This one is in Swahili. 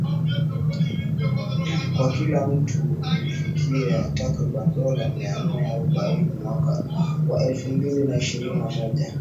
kwa kila mtu lilifikia takriban dola mia nane arobaini mwaka wa elfu mbili na ishirini na moja